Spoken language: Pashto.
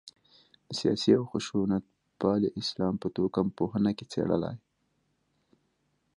د سیاسي او خشونتپالي اسلام په توکم پوهنه کې څېړلای.